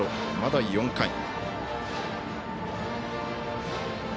まだ４回。